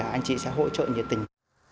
anh chị sẽ hỗ trợ nhiệt tình